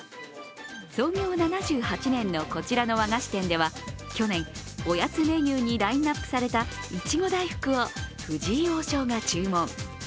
創業７８年のこちらの和菓子店では去年、おやつメニューにラインナップされたいちご大福を藤井王将が注文。